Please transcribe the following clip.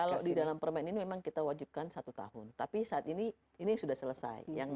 kalau di dalam permen ini memang kita wajibkan satu tahun tapi saat ini ini sudah selesai